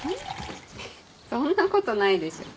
そんなことないでしょ。